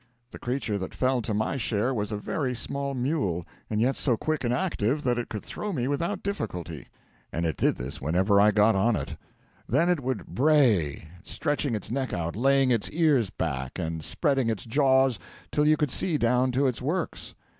The creature that fell to my share was a very small mule, and yet so quick and active that it could throw me without difficulty; and it did this whenever I got on it. Then it would bray stretching its neck out, laying its ears back, and spreading its jaws till you could see down to its works.